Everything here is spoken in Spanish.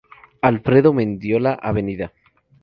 Alfredo Mendiola, Av.